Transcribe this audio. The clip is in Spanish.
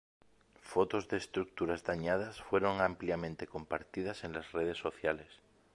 Fotos de estructuras dañadas fueron ampliamente compartidas en las redes sociales.